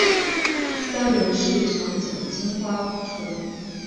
三轮氏长颈金花虫为金花虫科长颈金花虫属下的一个种。